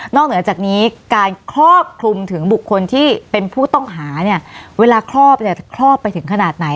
เหนือจากนี้การครอบคลุมถึงบุคคลที่เป็นผู้ต้องหาเนี่ยเวลาครอบเนี่ยครอบไปถึงขนาดไหน